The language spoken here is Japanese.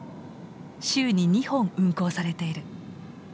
週に２本運行されている。